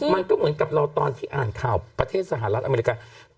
มันก็เหมือนกับเราตอนที่อ่านข่าวประเทศสหรัฐอเมริกา